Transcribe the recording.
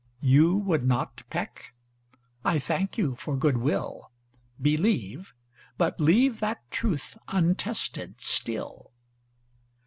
You would not peck? I thank you for good will, Believe, but leave that truth untested still.